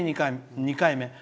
２回目。